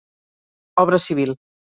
Obra civil.